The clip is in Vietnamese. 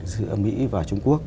giữa mỹ và trung quốc